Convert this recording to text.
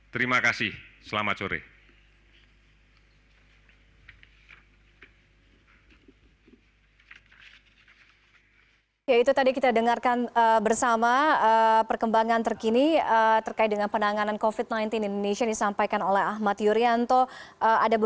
terima kasih selamat sore